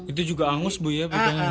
itu juga hangus bu ya